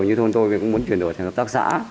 như thôn tôi cũng muốn chuyển đổi thành hợp tác xã